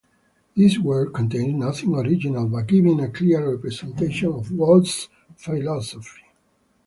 This work contains nothing original but giving a clear representation of Wolff's philosophy.